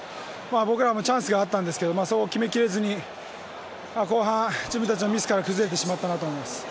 僕らもチャンスがあったんですけど、そこを決めきれずに後半、自分たちのミスから崩れてしまったなと思います。